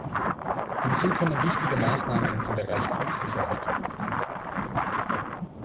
Hinzu kommen wichtige Maßnahmen im Bereich Flugsicherheit.